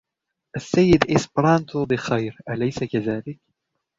السيد إسبرانتو بخير, اليسَ كذلك؟